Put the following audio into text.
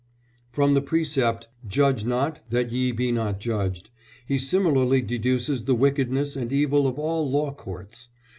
From the precept, "Judge not, that ye be not judged," he similarly deduces the wickedness and evil of all law courts.